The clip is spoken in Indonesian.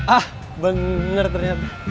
ah bener ternyata